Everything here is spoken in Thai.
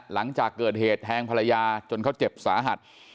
หลังจากเกิดเหตุแทงภรรยาจนเขาเจ็บสาหัส